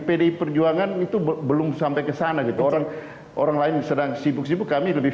pdi perjuangan itu belum sampai ke sana gitu orang orang lain sedang sibuk sibuk kami lebih